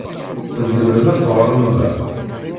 Tzemrem ad teɣṛem da.